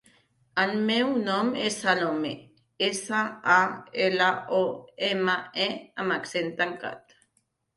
El meu nom és Salomé: essa, a, ela, o, ema, e amb accent tancat.